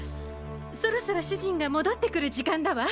そろそろ主人が戻ってくる時間だわ！